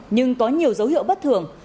nhưng có nhiều dấu hiệu bất thường